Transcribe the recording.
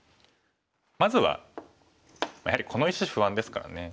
まずはやはりこの石不安ですからね。